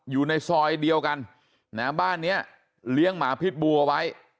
อยู่ในซอยเดียวกันนะฮะบ้านเนี้ยเลี้ยงหมาพิษบูเอาไว้